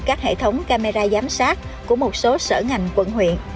các hệ thống camera giám sát của một số sở ngành quận huyện